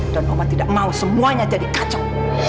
dan oma tidak mau semuanya jadi kacau